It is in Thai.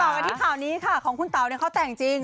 มาต่อกันที่ข่าวนี้ของคุณเต๋าเขาแต่งจริง